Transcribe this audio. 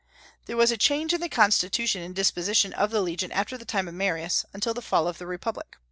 There was a change in the constitution and disposition of the legion after the time of Marius, until the fall of the republic.